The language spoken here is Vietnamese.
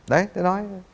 đấy tôi nói